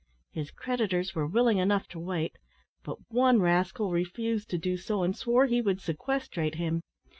His creditors were willing enough to wait, but one rascal refused to do so, and swore he would sequestrate him.